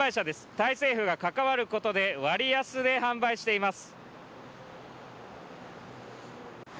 タイ政府が関わることで、割安で販売しています。